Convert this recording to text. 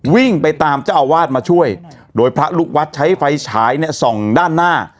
วิ่งไปตามเจ้าอาวาสมาช่วยโดยพระลูกวัดใช้ไฟฉายเนี่ยส่องด้านหน้า